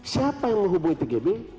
siapa yang menghubungi tgb